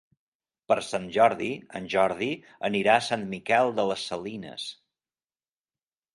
Per Sant Jordi en Jordi anirà a Sant Miquel de les Salines.